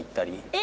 え！